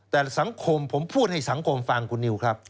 แต่สังคมผมพูดให้สังคมฟังคุณนิวครับ